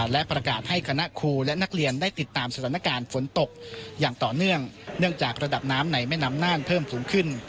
และประกาศให้คณะครูและนักเรียนได้ติดตามสถานการณ์ฝนตกอย่างต่อเนื่องเนื่องจากระดับน้ำในแม่น้ำน่านเพิ่มสูงขึ้น